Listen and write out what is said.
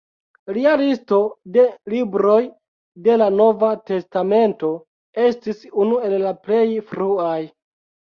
Lia listo de libroj de la Nova testamento estis unu el la plej fruaj.